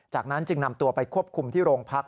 จากนั้นจึงนำตัวไปควบคุมที่โรงพัก